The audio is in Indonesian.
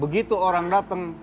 begitu orang datang